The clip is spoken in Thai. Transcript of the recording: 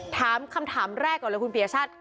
ถามคำถามแรกก่อนเลยคุณปียชาติ